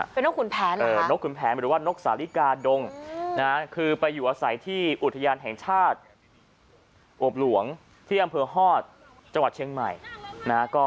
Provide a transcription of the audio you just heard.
เรียกว่านกขุนแผนหรอคะเออเป็นนกขุนแผนหนูว่านกสาธิกาดงนะครับคือไปอยู่อาศัยที่อุทยานแห่งชาติอบหลวงที่อัมเภอฮอต์จังหวัดเชียงไหมนะคะ